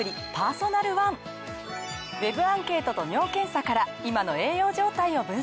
ＷＥＢアンケートと尿検査から今の栄養状態を分析！